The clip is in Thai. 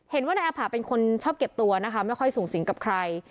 เห็นว่านายอาผ่าเป็นคนชอบเก็บตัวนะคะไม่ค่อยสูงสิงกับใคร